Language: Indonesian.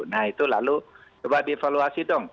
nah itu lalu coba dievaluasi dong